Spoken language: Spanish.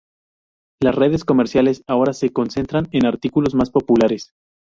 Las redes comerciales ahora se concentran en artículos más populares.